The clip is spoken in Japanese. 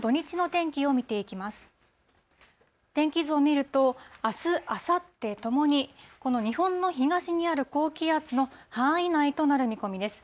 天気図を見ると、あす、あさってともに、この日本の東にある高気圧の範囲内となる見込みです。